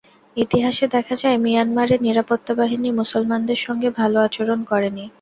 ইতিহাসে দেখা যায়, মিয়ানমারের নিরাপত্তা বাহিনী মুসলমানদের সঙ্গে ভালো আচরণ করেনি।